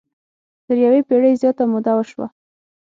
تر یوې پېړۍ زیاته موده وشوه.